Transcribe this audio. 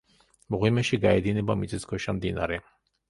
მღვიმეში გაედინება მიწისქვეშა მდინარე.